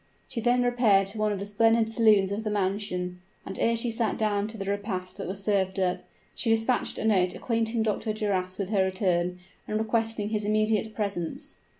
She then repaired to one of the splendid saloons of the mansion; and ere she sat down to the repast that was served up, she dispatched a note acquainting Dr. Duras with her return, and requesting his immediate presence.